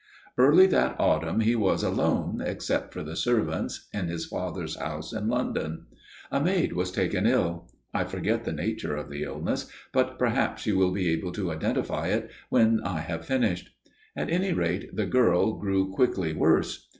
"Early that autumn he was alone, except for the servants, in his father's house in London. A maid was taken ill. I forget the nature of the illness, but perhaps you will be able to identify it when I have finished. At any rate the girl grew quickly worse.